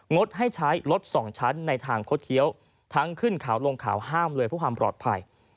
ดให้ใช้รถสองชั้นในทางคดเคี้ยวทั้งขึ้นเขาลงเขาห้ามเลยเพื่อความปลอดภัย